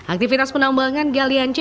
aktivitas penambangan galian c